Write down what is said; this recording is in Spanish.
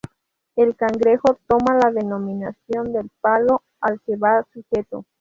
El cangrejo toma la denominación del palo al que va sujeto.